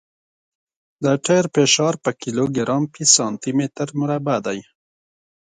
د ټیر فشار په کیلوګرام فی سانتي متر مربع دی